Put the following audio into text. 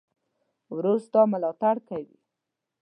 ورور ستا ملاتړ کوي.